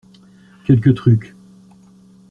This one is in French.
Quelques trucs.